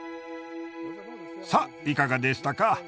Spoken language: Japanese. さっいかがでしたか？